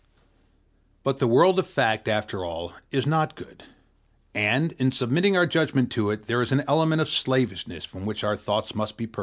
But the world of fact, after all, is not good; and, in submitting our judgment to it, there is an element of slavishness from which our thoughts must be purged.